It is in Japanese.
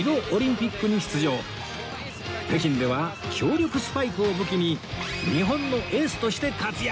北京では強力スパイクを武器に日本のエースとして活躍